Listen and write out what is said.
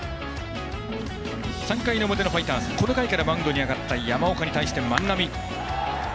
３回の表のファイターズこの回からマウンドに上がった山岡に対して万波。